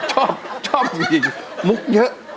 แหมชอบมุกเยอะ